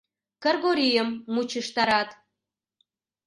Кыргорийым мучыштарат.